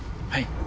はい。